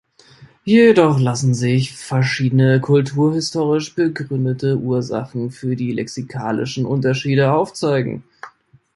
Jedoch lassen sich verschiedene kulturhistorisch begründete Ursachen für die lexikalischen Unterschiede aufzeigen.